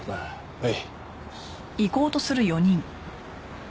はい。